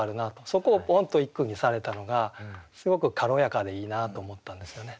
そこをポンと一句にされたのがすごく軽やかでいいなと思ったんですよね。